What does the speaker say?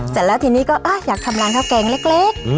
เสร็จแล้วทีนี้ก็อยากทำร้านข้าวแกงเล็ก